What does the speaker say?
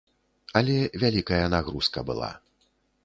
Але вялікая нагрузка была.